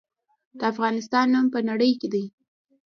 د افغانستان نوم په نړۍ کې دی